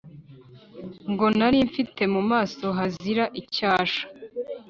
ngo nari mfite mu maso hazira icyasha,